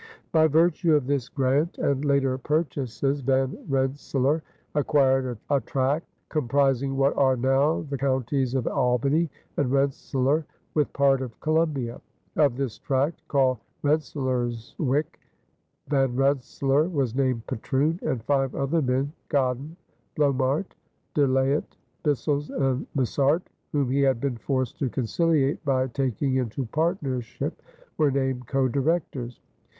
By virtue of this grant and later purchases Van Rensselaer acquired a tract comprising what are now the counties of Albany and Rensselaer with part of Columbia. Of this tract, called Rensselaerswyck, Van Rensselaer was named patroon, and five other men, Godyn, Blommaert, De Laet, Bissels, and Moussart, whom he had been forced to conciliate by taking into partnership, were named codirectors.